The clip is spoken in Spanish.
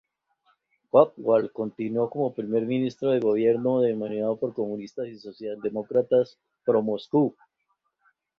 Gottwald continuó como primer ministro de un gobierno dominado por comunistas y socialdemócratas pro-Moscú.